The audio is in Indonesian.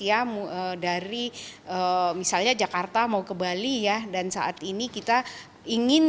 ya dari misalnya jakarta mau ke bali ya dan saat ini kita ingin